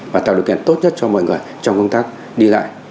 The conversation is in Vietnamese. và tạo được kết tốt nhất cho mọi người trong công tác đi lại